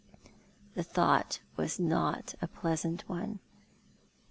The thought was not a pleasant one.